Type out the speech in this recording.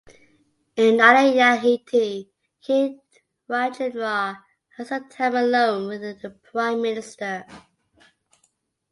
In Narayanhiti, King Rajendra had some time alone with the Prime Minister.